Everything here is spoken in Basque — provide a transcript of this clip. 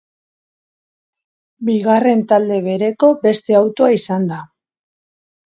Bigarren talde bereko beste autoa izan da.